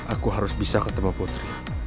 aku harus bisa ketemu putri